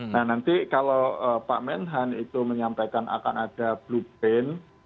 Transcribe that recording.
nah nanti kalau pak menhan itu menyampaikan akan ada blueprint